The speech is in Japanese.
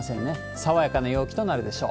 爽やかな陽気となるでしょう。